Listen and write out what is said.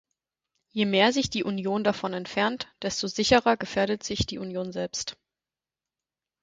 Je mehr sich die Union davon entfernt, desto sicherer gefährdet sich die Union selbst.